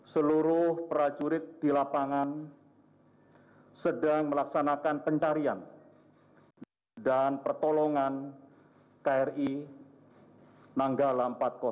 seluruh prajurit di lapangan sedang melaksanakan pencarian dan pertolongan kri nanggala empat ratus dua